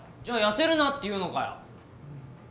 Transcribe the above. じゃあ痩せるなって言うのかよ。